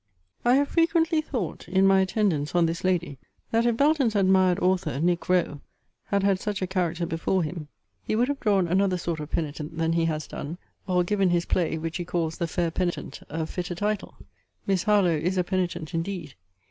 I have frequently thought, in my attendance on this lady, that if Belton's admired author, Nic. Rowe, had had such a character before him, he would have drawn another sort of penitent than he has done, or given his play, which he calls The Fair Penitent, a fitter title. Miss Harlowe is a penitent indeed!